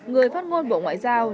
người phát ngôn bộ ngoại giao